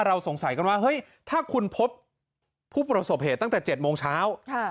สงสัยกันว่าเฮ้ยถ้าคุณพบผู้ประสบเหตุตั้งแต่๗โมงเช้า